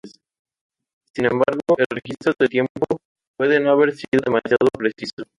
Sin embargo, el registro del tiempo puede no haber sido demasiado preciso.